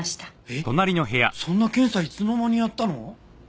えっそんな検査いつの間にやったの？